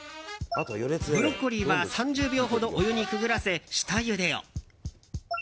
ブロッコリーは３０秒ほどお湯にくぐらせ下ゆでを。